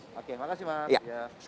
oke makasih mas